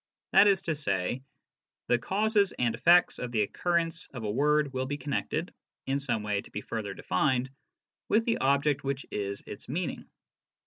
That is to say, the causes and effects of the occurrence of a word will be connected, in some way to be further defined, with the object which is its meaning.